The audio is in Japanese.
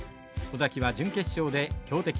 尾崎は準決勝で強敵